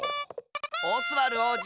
オスワルおうじ！